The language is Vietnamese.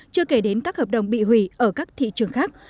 chưa kể đến các hợp đồng bị hủy ở các thị trường khác